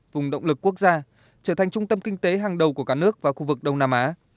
vùng động lực quốc gia trở thành trung tâm kinh tế hàng đầu của cả nước và khu vực đông nam á